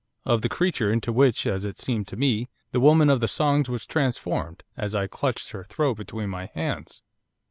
of the creature into which, as it seemed to me, the woman of the songs was transformed as I clutched her throat between my hands.